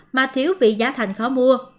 mà thiếu vì giá thành khó mua